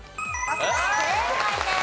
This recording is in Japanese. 正解です。